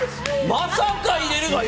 まさか入れるとは。